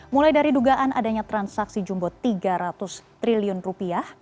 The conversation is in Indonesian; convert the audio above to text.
mulai dari dugaan adanya transaksi jumbo tiga ratus triliun rupiah